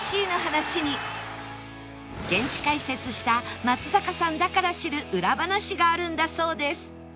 現地解説した松坂さんだから知る裏話があるんだそうです